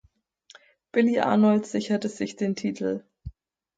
Billy Arnold sicherte sich den Titel.